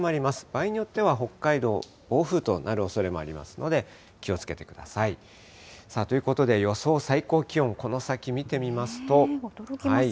場合によっては北海道、暴風となるおそれがありますので気をつけてください。ということで、予想最高気温、この先見てみますと。